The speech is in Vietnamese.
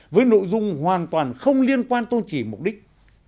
với nội dung hoàn toàn không liên quan tôn trì mục đích